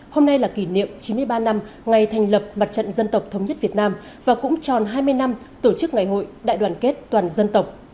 hôm nay là kỷ niệm chín mươi ba năm ngày thành lập mặt trận dân tộc thống nhất việt nam và cũng tròn hai mươi năm tổ chức ngày hội đại đoàn kết toàn dân tộc